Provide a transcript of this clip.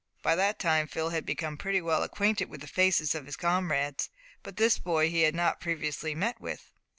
By that time Phil had become pretty well acquainted with the faces of his comrades, but this boy he had not previously met with.